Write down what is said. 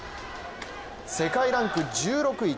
世界ランク１６位